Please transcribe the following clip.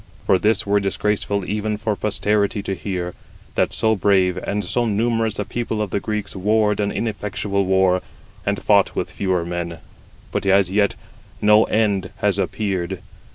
For this were disgraceful even for posterity to hear, that so brave and so numerous a people of the Greeks warred an ineffectual war, and fought with fewer men; but as yet no end has appeared.